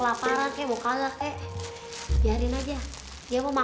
lah denger ya denger lo ya